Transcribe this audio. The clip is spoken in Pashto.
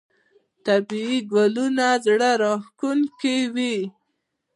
طبیعي ګلونه زړه راښکونکي وي.